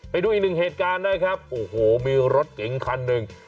ไปดูอีกหนึ่งเหตุการณ์นะครับโอ้โหมีรถเก๋งคันหนึ่ง